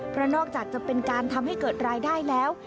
เพราะนอกจากจะเป็นการทำให้เกิดรายได้แล้ว